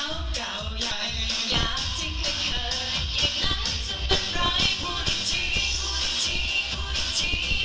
รู้ว่าเธอน่ะรักกันจริงว่าเธอน่ะยังเป็นใจ